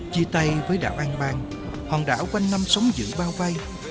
chia tay với đảo an bang hòn đảo quanh năm sống giữ bao vây